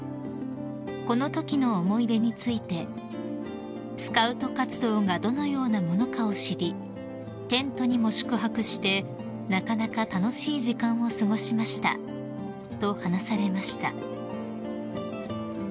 ［このときの思い出について「スカウト活動がどのようなものかを知りテントにも宿泊してなかなか楽しい時間を過ごしました」と話されました］